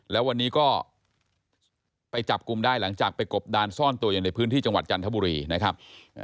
แล้ววันนี้ก็ไปจับกลุ่มได้หลังจากไปกบดานซ่อนตัวอย่างในพื้นที่จังหวัดจันทบุรีนะครับ